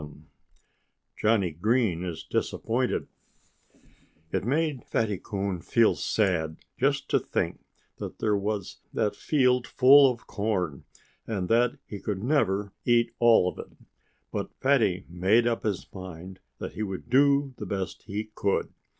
VII JOHNNIE GREEN IS DISAPPOINTED It made Fatty Coon feel sad, just to think that there was that field full of corn, and that he could never eat all of it. But Fatty made up his mind that he would do the best he could.